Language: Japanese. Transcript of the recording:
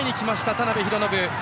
田辺裕信。